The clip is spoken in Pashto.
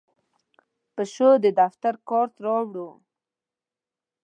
پیشو د دفتر کارت راوړ.